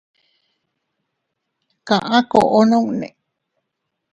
Kaá koo nuuni.